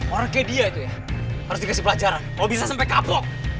orang kayak dia itu ya harus dikasih pelajaran kalau bisa sampe kapok